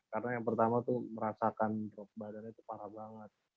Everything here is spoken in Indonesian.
karena yang pertama itu merasakan drop badannya itu parah banget